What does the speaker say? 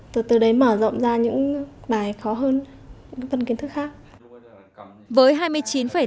từ từ đấy mở rộng ra những bài khó hơn những phần kiến thức khác